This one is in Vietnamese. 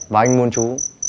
và anh muốn chú